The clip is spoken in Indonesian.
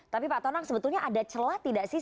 tapi pak tonang sebetulnya ada celah tidak sih